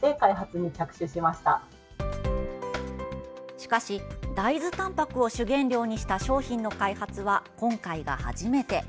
しかし、大豆たんぱくを主原料にした商品の開発は今回が初めて。